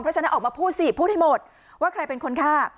เพราะฉะนั้นออกมาพูดสิพูดให้หมดว่าใครเป็นคนฆ่า